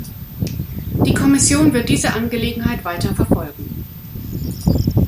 Die Kommission wird diese Angelegenheit weiter verfolgen.